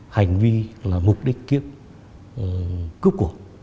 hành vi là mục đích kiếp cướp của